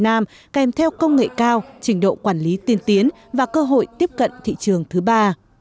việt nam kèm theo công nghệ cao trình độ quản lý tiên tiến và cơ hội tiếp cận thị trường thứ ba